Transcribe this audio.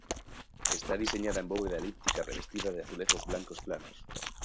Está diseñada en bóveda elíptica revestida de azulejos blancos planos.